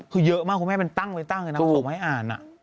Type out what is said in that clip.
คือเยอะมากคุณแม่เป็นตั้งไว้ตั้งเลยนะเอาส่งให้อ่าน